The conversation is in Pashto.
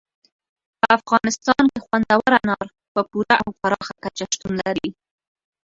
په افغانستان کې خوندور انار په پوره او پراخه کچه شتون لري.